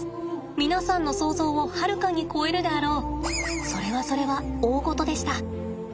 皆さんの想ゾウをはるかに超えるであろうそれはそれは大ごとでした。